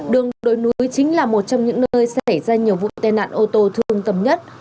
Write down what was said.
đường đối núi chính là một trong những nơi sẽ xảy ra nhiều vụ tên nạn ô tô thương tầm nhất